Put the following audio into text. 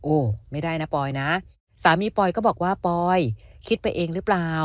ไม่ได้นะปอยนะสามีปอยก็บอกว่าปอยคิดไปเองหรือเปล่า